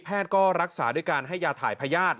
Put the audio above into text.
แพทย์ก็รักษาด้วยการให้ยาถ่ายพยาธิ